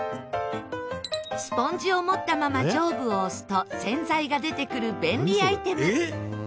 スポンジを持ったまま上部を押すと洗剤が出てくる便利アイテム